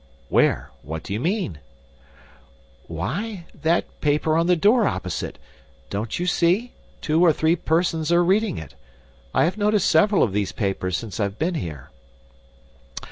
"Where? What do you mean?" "Why, that paper on the door opposite. Don't you see? Two or three persons are reading it. I have noticed several of these papers since I've been here."